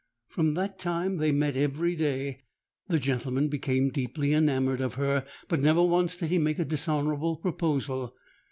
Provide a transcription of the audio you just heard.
From that time they met every day: the gentleman became deeply enamoured of her, but never once did he make a dishonourable proposal.